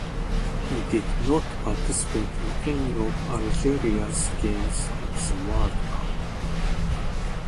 He did not participate in any of Algeria's games at the World Cup.